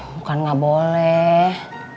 bukan gak boleh